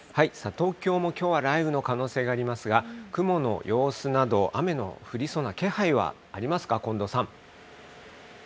東京もきょうは雷雨の可能性がありますが、雲の様子など、雨の降りそうな気配はありますか、近藤さん。